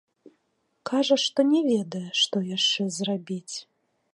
Кажа, што не ведае, што яшчэ зрабіць.